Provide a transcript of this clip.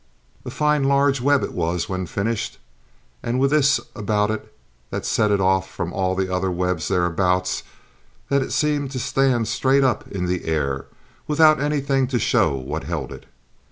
A fine large web it was when finished, and with this about it that set it off from all the other webs thereabouts, that it seemed to stand straight up in the air, without anything to show what held it.